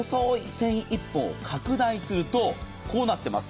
繊維１本を拡大するとこうなっています。